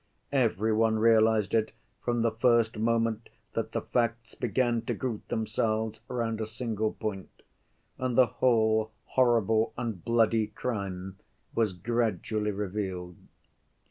Every one realized it from the first moment that the facts began to group themselves round a single point, and the whole horrible and bloody crime was gradually revealed.